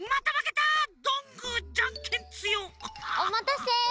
おまたせ！